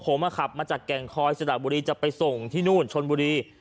ผมขับมาจากแก่งคอยสระบุรีจะไปส่งที่นู่นชนบุรี